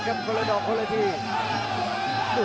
สำนองค์ส่วนไปข้าวแวง